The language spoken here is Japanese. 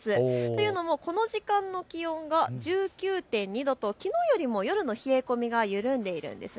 というのもこの時間の気温が１９．２度ときのうよりも夜の冷え込みが緩んでいるんです。